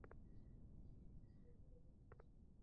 তোমার ধুতি খুলে যাচ্ছে।